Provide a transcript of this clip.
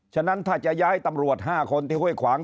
ฉะนั้นถ้าจะย้ายตำรวจ๕คนที่ห้วยขวาง